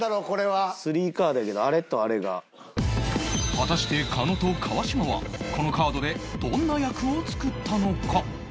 果たして狩野と川島はこのカードでどんな役を作ったのか？